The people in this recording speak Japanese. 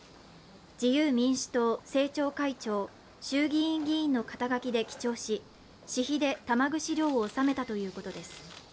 自由民主党・政調会長、衆議院議員の肩書きで記帳し私費で玉串料を納めたということです。